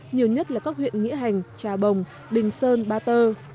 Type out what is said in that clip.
nhiều nhất là các huyện nghĩa hành trà bồng bình sơn ba tơ